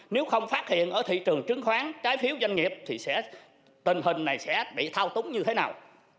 nếu không phát hiện ở thị trường chứng khoán trái phiếu doanh nghiệp thì tình hình này sẽ bị thao túng như thế nào